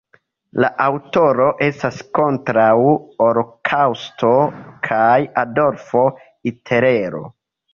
La aŭtoro estas kontraŭ holokaŭsto kaj Adolfo Hitlero.